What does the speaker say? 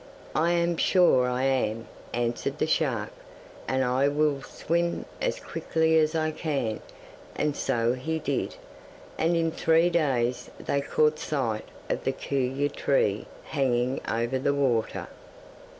'I am sure I am,' answered the shark, 'and I will swim as quickly as I can,' and so he did, and in three days they caught sight of the kuyu tree hanging over the water.